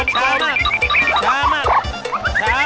ช้ามาก